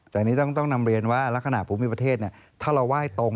เฉลี่ยก็น่าจะประมาณชั่วโมง